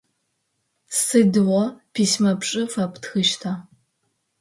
Сыдигъо письмэ пшы фэптхыщта?